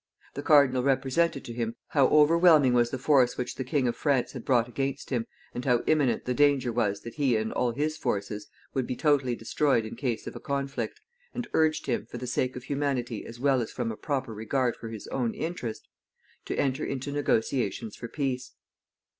The cardinal represented to him how overwhelming was the force which the King of France had brought against him, and how imminent the danger was that he and all his forces would be totally destroyed in case of a conflict, and urged him, for the sake of humanity as well as from a proper regard for his own interest, to enter into negotiations for peace.